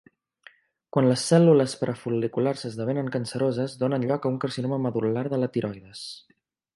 Quan les cèl·lules parafol·liculars esdevenen canceroses, donen lloc a un carcinoma medul·lar de la tiroides.